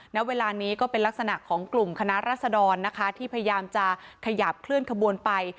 ณเวลานี้ก็เป็นลักษณะของกลุ่มคณะรัศดรนะคะที่พยายามจะขยับเคลื่อนขบวนไป